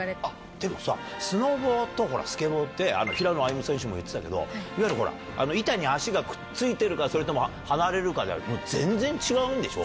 でもさスノボとスケボって平野歩夢選手も言ってたけど板に足がくっついてるかそれとも離れるかでは全然違うんでしょ？